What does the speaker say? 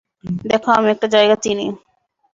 দেখো, আমি একটা জায়গা চিনি।